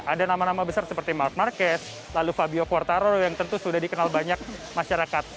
ada nama nama besar seperti mark marquez lalu fabio quartaro yang tentu sudah dikenal banyak masyarakat